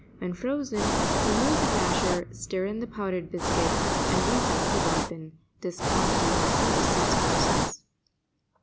When frozen, remove the dasher, stir in the powdered biscuits, and repack to ripen. This quantity will serve six persons.